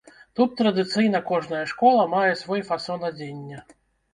Тут традыцыйна кожная школа мае свой фасон адзення.